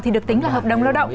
thì được tính là hợp đồng lao động